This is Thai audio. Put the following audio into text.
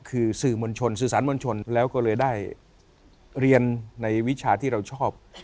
คือสื่อมวลชนสื่อสารมวลชนแล้วก็เลยได้เรียนในวิชาที่เราชอบ